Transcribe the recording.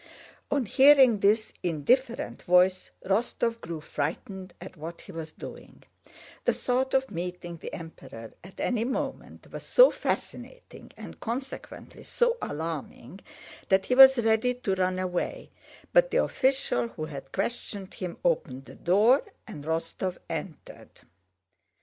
On hearing this indifferent voice, Rostóv grew frightened at what he was doing; the thought of meeting the Emperor at any moment was so fascinating and consequently so alarming that he was ready to run away, but the official who had questioned him opened the door, and Rostóv entered.